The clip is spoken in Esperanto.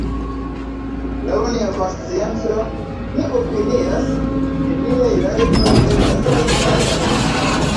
Laŭ nia konscienco, ni opinias, ke niaj rajtoj estas egalaj.